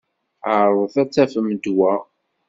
Ɛeṛḍet ad tafem ddwa.